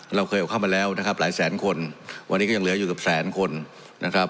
เราเคยเอาเข้ามาแล้วนะครับหลายแสนคนวันนี้ก็ยังเหลืออยู่กับแสนคนนะครับ